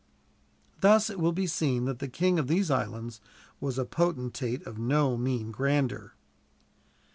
Thus it will be seen that the king of these islands was a potentate of no mean grandeur.